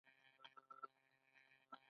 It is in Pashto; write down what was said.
ناروغه پوښتنه وکړئ